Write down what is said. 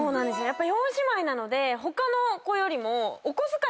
やっぱ４姉妹なので他の子よりも。